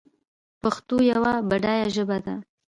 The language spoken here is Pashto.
پښتو یوه بډایه ژبه ده.